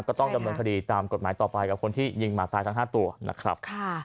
ก็ต้องดำเนินคดีตามกฎหมายต่อไปกับคนที่ยิงหมาตายทั้ง๕ตัวนะครับ